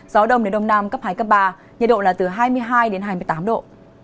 gió đông đến đông nam cấp hai cấp ba nhiệt độ là từ hai mươi hai đến hai mươi tám độ